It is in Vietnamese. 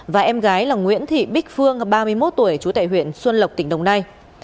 và em gái là nguyễn thị bích phương ba mươi một tuổi chú tại huyện xuân lộc tỉnh đồng nai